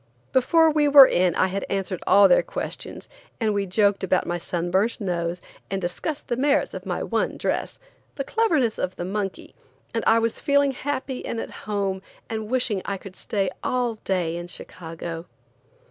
Before we were in I had answered all their questions, and we joked about my sun burnt nose and discussed the merits of my one dress, the cleverness of the monkey, and I was feeling happy and at home and wishing I could stay all day in Chicago.